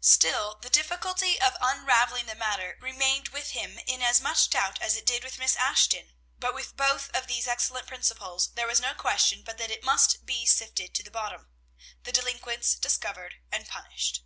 Still the difficulty of unravelling the matter remained with him in as much doubt as it did with Miss Ashton; but with both of these excellent principals there was no question but that it must be sifted to the bottom, the delinquents discovered and punished.